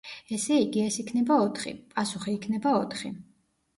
ესე იგი, ეს იქნება ოთხი. პასუხი იქნება ოთხი.